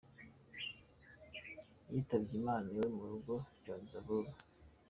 Yitabye Imana iwe mu rugo i Johannesburg.